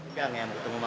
gak ngeambut tunggu mama